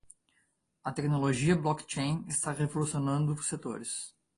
A tecnologia blockchain está revolucionando setores.